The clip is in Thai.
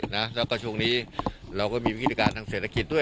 แล้วก็ช่วงนี้เราก็มีวิธีการทางเศรษฐกิจด้วย